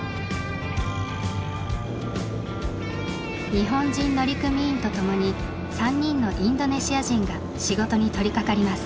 日本人乗組員と共に３人のインドネシア人が仕事に取りかかります。